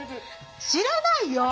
知らないよ！